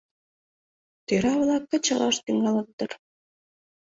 Тӧра-влак кычалаш тӱҥалыт дыр...